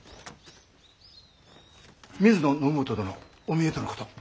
水野信元殿お見えとのこと。